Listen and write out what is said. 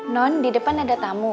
non di depan ada tamu